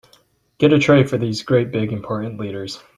Get a tray for these great big important leaders.